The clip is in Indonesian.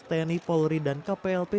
tni polri dan kplp